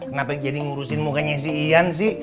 kenapa gini ngurusin mukanya si yan sih